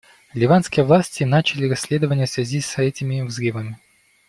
Ливанские власти начали расследование в связи с этими взрывами.